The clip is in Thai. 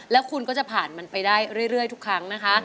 แล้วคุณก็จะผ่านมันไปได้เรื่อยทุกครั้งนะคะ